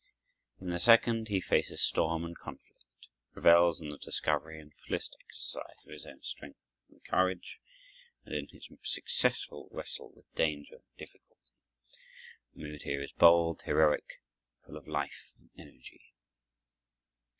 In the second he faces storm and conflict, revels in the discovery and fullest exercise of his own strength and courage and in his successful wrestle with danger and difficulty. The mood here is bold, heroic, full of life and energy.